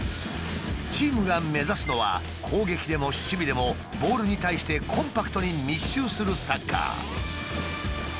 チームが目指すのは攻撃でも守備でもボールに対してコンパクトに密集するサッカー。